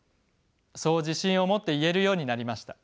そう自信を持って言えるようになりました。